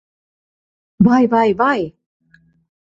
Vai, vai, vai!